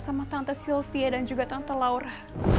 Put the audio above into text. sama tante sylvia dan juga tante laura